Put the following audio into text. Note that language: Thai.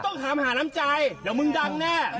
ต้องถามหาน้ำใจเดี๋ยวมึงดังแน่